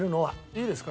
いいですか？